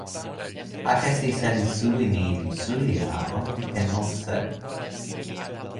akesi seli suwi mi li suli la ona li ken lon sewi.